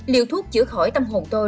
liều thuốc chữa khỏi tâm hồn tôi